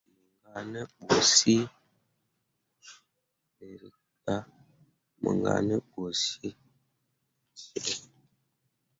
Mo kaa ne ɓu cee ɓǝrrikah.